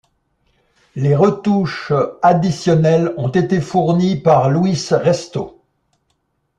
Les retouches additionnelles ont été fournies par Luis Resto.